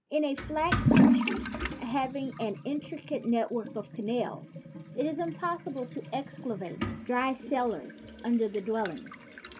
In a flat country, hav ing an intricate network of canals, it is impossible to excavate dry cellars under the dwellings.